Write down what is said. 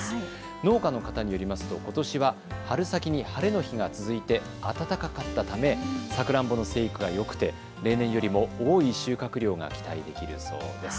農家の方によりますとことしは春先に晴れの日が続いて暖かかったためサクランボの生育がよく、例年よりも多い収穫量が期待できるそうです。